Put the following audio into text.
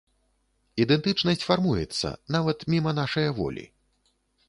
Ідэнтычнасць фармуецца, нават міма нашае волі.